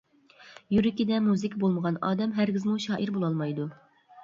يۈرىكىدە مۇزىكا بولمىغان ئادەم ھەرگىزمۇ شائىر بولالمايدۇ.